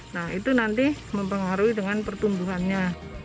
nah itu nanti mempengaruhi dengan pertumbuhannya